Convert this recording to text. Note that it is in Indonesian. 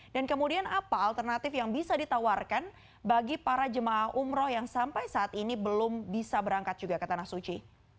dan kemudian apa alternatif yang bisa ditawarkan bagi para jemaah umroh yang sampai saat ini belum bisa berangkat juga ke tanah suci